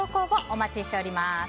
お待ちしております。